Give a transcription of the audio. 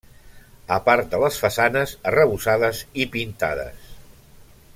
A part de les façanes arrebossades i pintades.